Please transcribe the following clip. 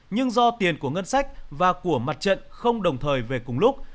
nhưng do tiền của ngân sách và của mặt trận không đồng thời về cùng lúc